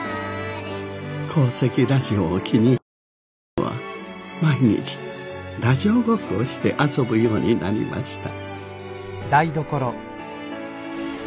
鉱石ラジオを気に入った歩は毎日ラジオごっこをして遊ぶようになりました。